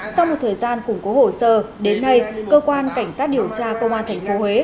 sau một thời gian củng cố hồ sơ đến nay cơ quan cảnh sát điều tra công an tp huế